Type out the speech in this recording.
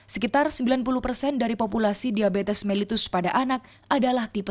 sekitar sembilan puluh dari populasi diabetes melitus pada anak adalah tipe satu